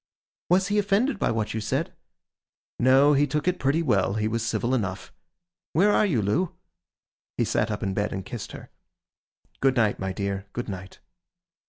'Was he offended by what you said?' 'No, he took it pretty well; he was civil enough. Where are you, Loo?' He sat up in bed and kissed her. 'Good night, my dear, good night.